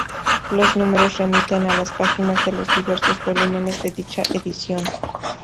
Los números remiten a las páginas de los diversos volúmenes de dicha edición.